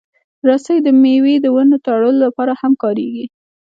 رسۍ د مېوې د ونو تړلو لپاره هم کارېږي.